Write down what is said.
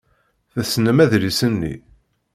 Tessnem adlis-nni.